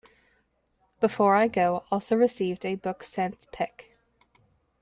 "Before I Go" also received a Book Sense Pick.